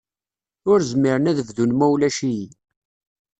Ur zmiren ad bdun ma ulac-iyi.